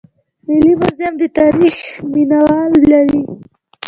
ملي موزیم د تاریخ مینه وال لري